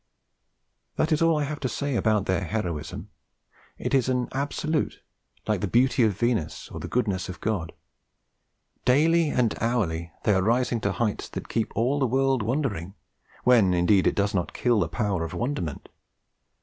That is all I have to say about their heroism. It is an absolute, like the beauty of Venus or the goodness of God. Daily and hourly they are rising to heights that keep all the world always wondering when, indeed, it does not kill the power of wonderment.